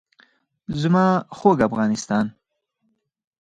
زما خوږ افغانستان.